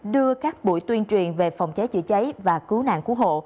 đưa các buổi tuyên truyền về phòng cháy chữa cháy và cứu nạn cứu hộ